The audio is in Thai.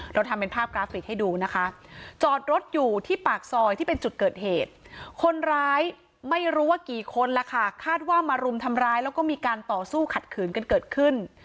เราทำเป็นภาพกราฟิกให้ดูนะคะจอดรถอยู่ที่ปากซอยที่เป็นจุดเกิดเหตุคนร้ายไม่รู้ว่ากี่คนล่ะค่ะคาดว่ามารุมทำร้ายแล้วก็มีการต่อสู้ขัดขืนกันเกิดขึ้น